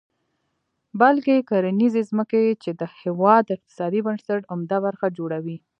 بلکې کرنیزې ځمکې، چې د هېواد د اقتصادي بنسټ عمده برخه جوړوي.